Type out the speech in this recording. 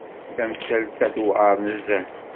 Tamsalt-a tewεer nezzeh.